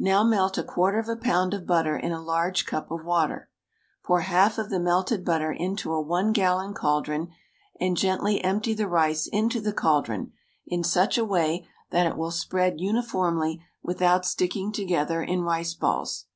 Now melt a quarter of a pound of butter in a large cup of water. Pour half of the melted butter into a one gallon caldron and gently empty the rice into the caldron in such a way that it will spread uniformly without sticking together in rice balls.